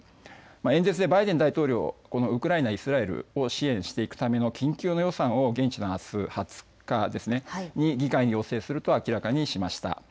演説でバイデン大統領、ウクライナ、イスラエルを支援していくための緊急の予算を現地の２０日に議会に要請すると明らかにしました。